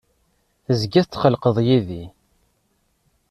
Tezgiḍ tetqellqeḍ yid-i.